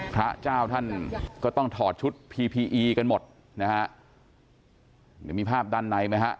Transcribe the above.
พระเจ้าท่านก็ต้องถอดชุดพีพีอีกันหมดนะฮะเดี๋ยวมีภาพด้านในไหมฮะ